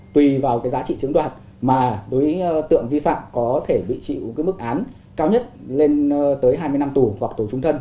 tùy vào giá trị chứng đoạt mà đối với tượng vi phạm có thể bị chịu mức án cao nhất lên tới hai mươi năm tù hoặc tù trung thân